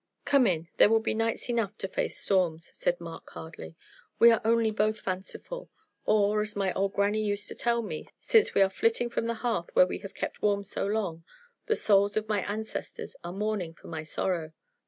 "Come in; there will be nights enough to face storms," said Mark, hardly. "We are only both fanciful; or, as my old grannie used to tell me, since we are flitting from the hearth where we have kept warm so long, the souls of my ancestors are mourning for my sorrow.